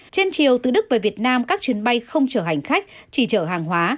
trên chiều từ đức về việt nam các chuyến bay không chở hành khách chỉ chở hàng hóa